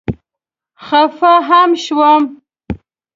خفه هم شوم.